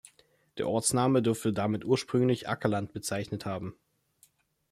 Der Ortsname dürfte damit ursprünglich Ackerland bezeichnet haben.